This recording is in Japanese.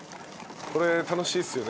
これ楽しいっすよね。